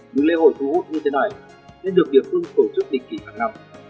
những lễ hội thu hút như thế này nên được địa phương tổ chức định kỷ hàng năm